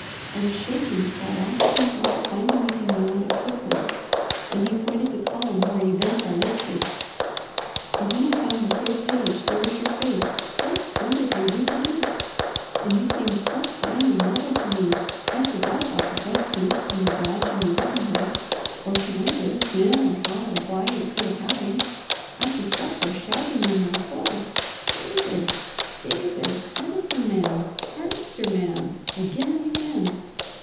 I was shaking so I asked him how to find anything you wanted quickly, and he pointed the column where events are listed; and when I found the third page there was your face so splendidly reproduced, and you seemed so fine and noble to me I forgot about the dress suit and the badge in your buttonhole, or to wonder when or how or why it could have happened. I just sat there shouting in my soul, 'David! David! Medicine Man! Harvester Man!' again and again."